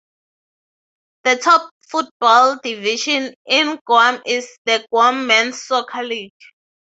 The top football division in Guam is the Guam Men's Soccer League.